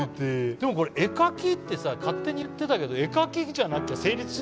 でもこれ絵描きってさ勝手に言ってたけど絵描きじゃなきゃ成立しないぐらい。